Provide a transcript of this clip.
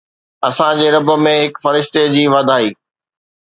اسان جي رب ۾ هڪ فرشتي جي وڏائي